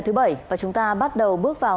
thứ bảy và chúng ta bắt đầu bước vào